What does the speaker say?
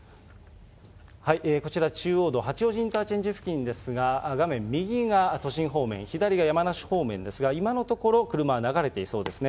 こちら中央道八王子インターチェンジ付近では、画面右が都心方面、左が山梨方面ですが、今のところ、車は流れていそうですね。